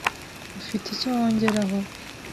Ufite icyo wongeraho, ?